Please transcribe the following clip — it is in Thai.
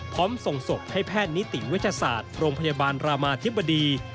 ส่งศพให้แพทย์นิติวิทยาศาสตร์โรงพยาบาลรามาธิบดี